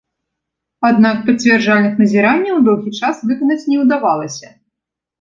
Аднак пацвярджальных назіранняў доўгі час выканаць не ўдавалася.